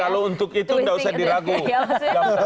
kalau untuk itu tidak usah dirapakan